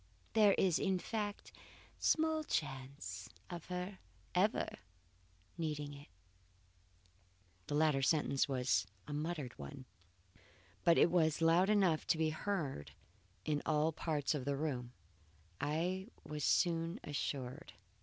There is, in fact, small chance of her ever needing it." The latter sentence was a muttered one, but that it was loud enough to be heard in all parts of the room I was soon assured.